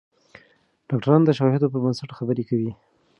ډاکتران د شواهدو پر بنسټ خبرې کوي.